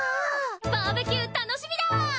バーベキュー楽しみだ！